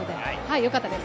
よかったです。